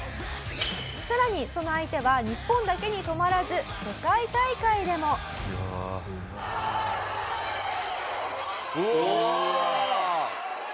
さらにその相手は日本だけにとまらず世界大会でも。うわー！うーわ！